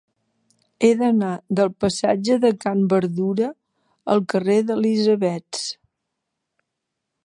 He d'anar del passatge de Can Berdura al carrer d'Elisabets.